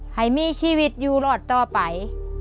ให้มีชีวิตอยู่รอดต่อไป